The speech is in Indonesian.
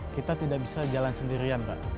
kita tidak bisa jalan sendirian pak